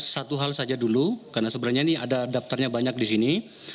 satu hal saja dulu karena sebenarnya ini ada daftarnya banyak di sini